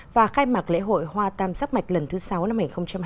và khai mạc lễ hội hoa tam sắc mạch lần thứ sáu năm hai nghìn hai mươi